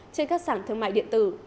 trên các sản thương mại điện tử